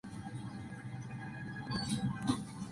Mientras tanto, Lily y Robin van al bar para una noche de chicas.